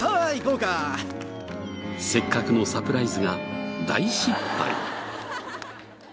せっかくのサプライズが大失敗。